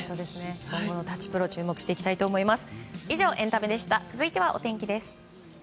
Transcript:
今後舘プロ注目していきたいと思います。